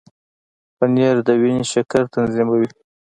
پنېر د وینې شکر تنظیموي.